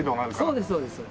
そうですそうです。